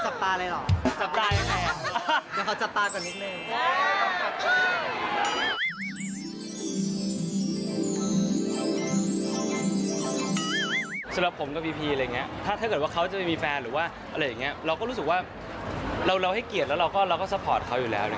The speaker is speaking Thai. สำหรับผมกับพีพีอะไรอย่างนี้ถ้าเกิดว่าเขาจะไปมีแฟนหรือว่าอะไรอย่างนี้เราก็รู้สึกว่าเราให้เกียรติแล้วเราก็ซัพพอร์ตเขาอยู่แล้ว